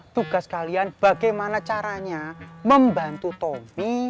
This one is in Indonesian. tugas kalian bagaimana caranya membantu tommy